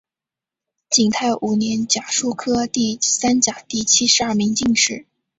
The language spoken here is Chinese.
景泰五年甲戌科第三甲第七十二名进士。